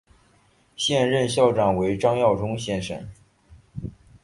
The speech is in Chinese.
现任校长为张耀忠先生。